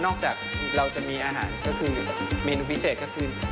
จากเราจะมีอาหารก็คือเมนูพิเศษก็คือ